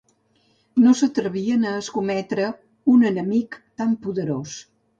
No s'atrevien a escometre un enemic tan poderós.